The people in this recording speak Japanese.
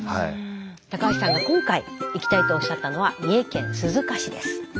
高橋さんが今回行きたいとおっしゃったのは三重県鈴鹿市です。